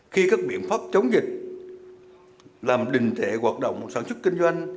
khi các biện pháp chống dịch làm đình thể hoạt động sản xuất kinh doanh